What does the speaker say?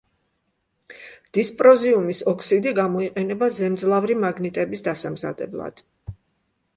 დისპროზიუმის ოქსიდი გამოიყენება ზემძლავრი მაგნიტების დასამზადებლად.